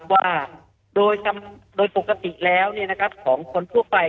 ว่าโดยปกติแล้วของคนทั่วไป